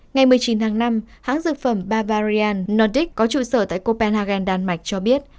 ngày một mươi chín tháng năm hãng dược phẩm balvarian nondric có trụ sở tại copenhagen đan mạch cho biết